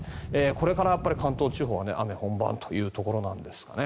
これから関東地方は雨本番というところなんですかね。